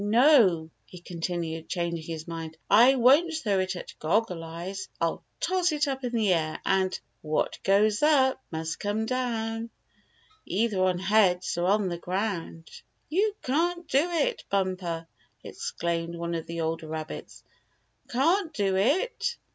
No," he con tinued, changing his mind, " I won't throw it at Goggle Eyes. I'll toss it up in the air, and ' What goes up must come down, Either on heads or on the ground.' 20 Bumper's Ignorance Excites Suspicion ''You can't do it. Bumper!" exclaimed one of tile older rabbits. "Can't do it!"